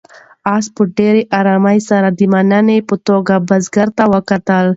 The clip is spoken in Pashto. آس په ډېرې آرامۍ سره د مننې په توګه بزګر ته وکتل.